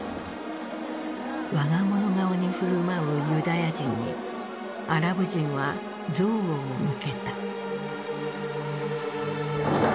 我が物顔に振る舞うユダヤ人にアラブ人は憎悪を向けた。